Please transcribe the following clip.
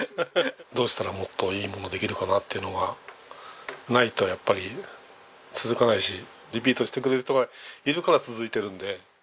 どうしたらもっといいものできるかなってのがないとやっぱり続かないしリピートしてくれる人がいるから続いているんで。